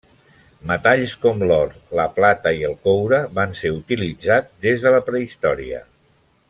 Metalls com l'or, la plata i el coure, van ser utilitzats des de la prehistòria.